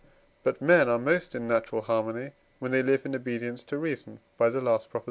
But men are most in natural harmony, when they live in obedience to reason (by the last Prop.)